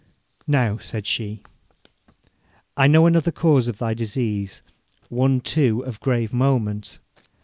'Now,' said she, 'I know another cause of thy disease, one, too, of grave moment.